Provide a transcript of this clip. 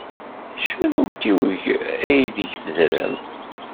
D acu n umtiweg aydeg teddremt?